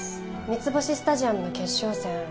『三ツ星スタジアム』の決勝戦